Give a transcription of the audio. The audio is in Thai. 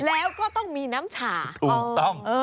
แล้วก็ต้องมีน้ำชาถูกต้อง